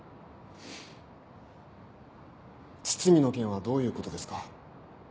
堤の件はどういうことですか？